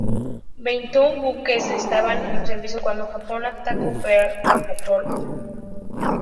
Veintiún buques estaban en servicio cuando Japón atacó Pearl Harbor.